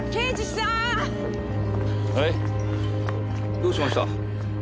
どうしました？